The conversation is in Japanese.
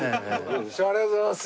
師匠ありがとうございます。